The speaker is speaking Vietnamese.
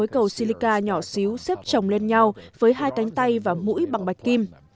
nó được tạo thành từ ba khối cầu silica nhỏ xíu xếp trồng lên nhau với hai cánh tay và mũi bằng bạch kim